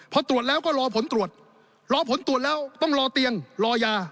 พอตรวจแล้วก็รอผลตรวจรอผลตรวจแล้วต้องรอเตียงรอยา